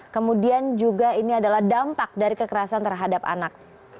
kemudian juga ini adalah dampak dari kekerasan terhadap anak